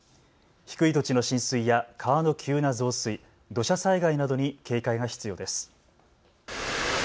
低い土地の浸水や川の急な増水、土砂災害などに警戒が必要です。